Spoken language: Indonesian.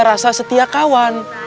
rasa setia kawan